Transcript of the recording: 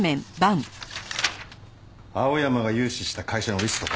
青山が融資した会社のリストか。